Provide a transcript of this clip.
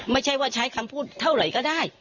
ไม่ใช่ว่าใช้คำพูดเท่าไหร่ก็ได้